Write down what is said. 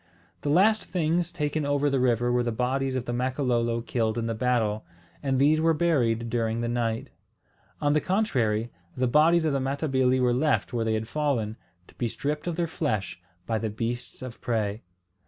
The last things taken over the river were the bodies of the Makololo killed in the battle; and these were buried during the night. On the contrary, the bodies of the Matabili were left where they had fallen, to be stripped of their flesh by the beasts of prey.